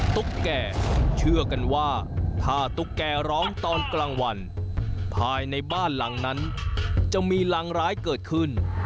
ตุ๊กแก่เชื่อกันว่าถ้าตุ๊กแกร้องตอนกลางวันภายในบ้านหลังนั้นจะมีรังร้ายเกิดขึ้น